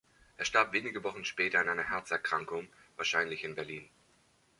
Er starb wenige Wochen später an einer Herzerkrankung, wahrscheinlich in Berlin.